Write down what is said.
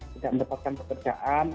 sudah mendapatkan pekerjaan